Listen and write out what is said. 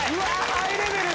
ハイレベル！